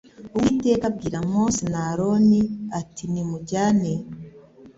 Uwiteka abwira Mose na Aroni ati Nimujyane